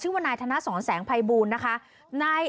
ชื่อว่านายธนสรแสงไพบูลนะคะ